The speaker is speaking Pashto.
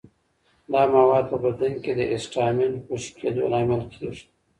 دا مواد په بدن کې د هسټامین خوشې کېدو لامل کېږي.